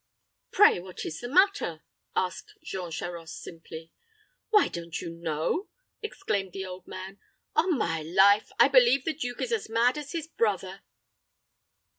"Pray, what is the matter?" asked Jean Charost, simply. "Why, don't you know?" exclaimed the old man. "On my life, I believe the duke is as mad as his brother."